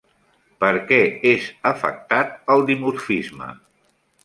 Per què és afectat el dimorfisme?